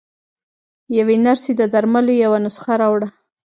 يوې نرسې د درملو يوه نسخه راوړه.